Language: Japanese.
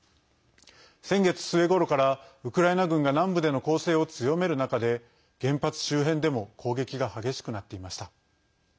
先月末頃からウクライナ軍が南部での攻勢を強める中で原発周辺でも攻撃が激しくなっていました。